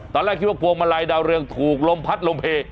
ตอนแรกคิดว่าพวงมาลัยดาวเรืองถูกลมพัดลมเพล